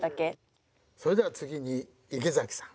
それでは次に池崎さん。